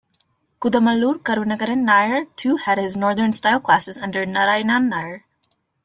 Kudamaloor Karunakaran Nair too had his northern-style classes under Naraynan Nair.